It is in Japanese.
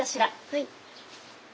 はい。